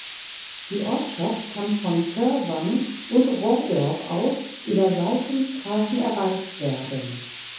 Die Ortschaft kann von Törwang und Rohrdorf aus über Seitenstraßen erreicht werden.